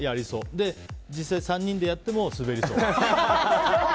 で、実際３人でやってもすべりそう。